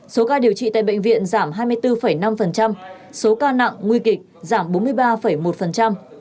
số ca điều trị tại bệnh viện giảm hai mươi bốn năm số ca nặng nguy kịch giảm bốn mươi ba một